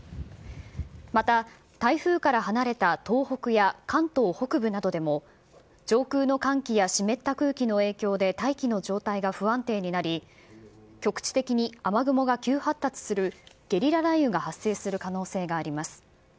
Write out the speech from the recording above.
また、台風から離れた東北や関東北部などでも、上空の寒気や湿った空気の影響で大気の状態が不安定になり、局地的に雨雲が急発達するゲリラ雷雨が発生する可能性があります。